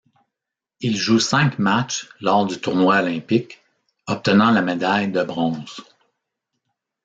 Il joue cinq matchs lors du tournoi olympique, obtenant la médaille de bronze.